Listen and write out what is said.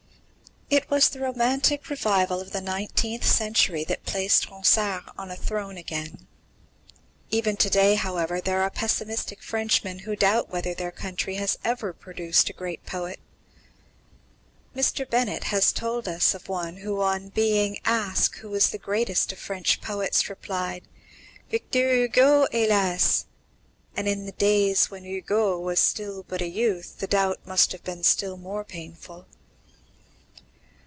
It was the romantic; revival of the nineteenth century that placed Ronsard on a throne again. Even to day, however, there are pessimistic Frenchmen who doubt whether their country has ever produced a great poet. Mr. Bennet has told us of one who, on being asked who was the greatest of French poets, replied: "Victor Hugo, hélas!" And in the days when Hugo was still but a youth the doubt must have been still more painful.